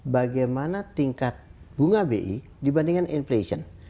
bagaimana tingkat bunga bi dibandingkan inflation